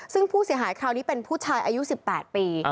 ซึ่งผู้เสียหายคราวนี้เป็นผู้ชายอายุ๑๘ปี